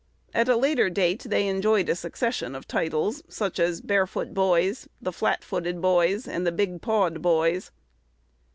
At a later date they enjoyed a succession of titles, such as "barefoot boys," "the flat footed boys," and "the big pawed boys."